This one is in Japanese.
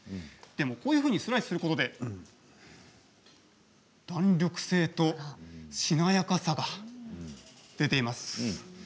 でも、このようにスライスすることで弾力性としなやかさが出ています。